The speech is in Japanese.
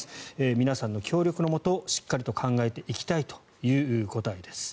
皆さんの協力のもとしっかりと考えていきたいという答えです。